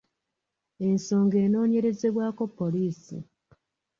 Ensonga enoonyerezebwako poliisi.